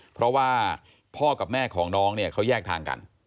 เพราะว่าพ่อกับแม่ของน้องเนี่ยเขาแยกทางกัน